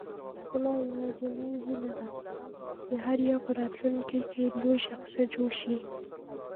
زما یوازینۍ هیله ده، چې هر یو په راتلونکې کې لوی شخصیت جوړ شي.